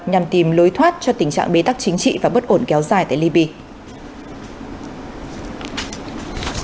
nhằm tìm lối thoát cho tình trạng bế tắc chính trị và bất ổn kéo dài tại libya